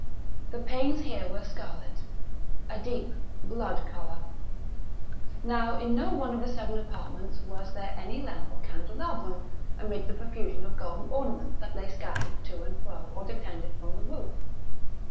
The panes here were scarlet—a deep blood color. Now in no one of the seven apartments was there any lamp or candelabrum, amid the profusion of golden ornaments that lay scattered to and fro or depended from the roof.